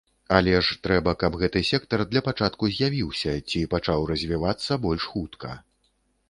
Але ж трэба, каб гэты сектар для пачатку з'явіўся ці пачаў развівацца больш хутка.